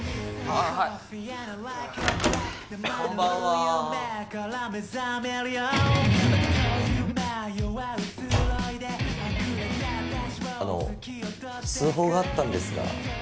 あの通報があったんですが。